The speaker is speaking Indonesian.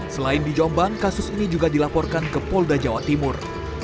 selain di jombang kasus ini juga dilaporkan ke polda jawa timur